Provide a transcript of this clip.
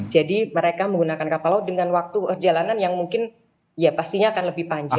jadi mereka menggunakan kapal laut dengan waktu perjalanan yang mungkin ya pastinya akan lebih panjang